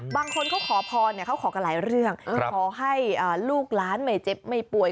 บางคนเขาขอพรเขาขอกันหลายเรื่องขอให้ลูกหลานไม่เจ็บไม่ป่วย